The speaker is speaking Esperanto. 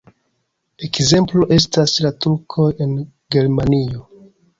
Ekzemplo estas la Turkoj en Germanio.